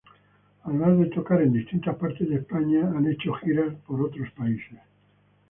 Además de tocar en distintas partes de España, han hecho giras en otros países.